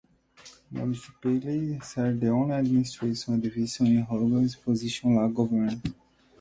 Municipalitie sare the only administrative division in Honduras that possess local government.